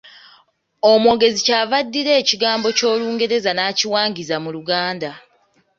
Omwogezi ky’ava addira ekigambo ky’olungereza n’akiwangiza mu Luganda